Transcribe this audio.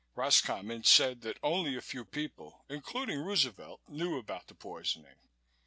Roscommon said that only a few people, including Roosevelt, knew about the poisoning.